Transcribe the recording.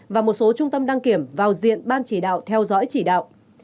và một số trung tâm đăng kiểm vào diện ban chỉ đạo theo dõi chỉ đạo